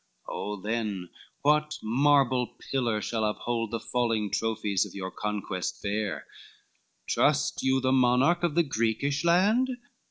Oh then, what marble pillar shall uphold The falling trophies of your conquest fair? Trust you the monarch of the Greekish land?